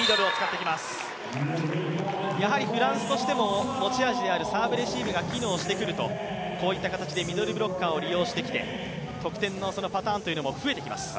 やはりフランスとしても持ち味であるサーブレシーブが機能してくるとこういった形でミドルブロッカーを利用してきて得点パターンというのも増えてきます。